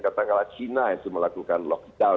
katakanlah china itu melakukan lockdown